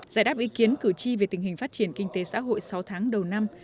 giải đáp ý kiến cử tri về tình hình phát triển kinh tế xã hội sáu tháng đầu năm